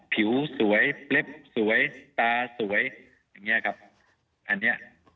ผิวสวยเปล็บสวยตาสวยอย่างเงี้ยครับอันเนี้ย